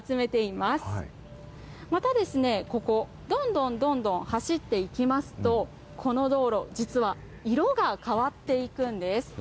また、ここ、どんどんどんどん走っていきますと、この道路、実は色が変わっていくんです。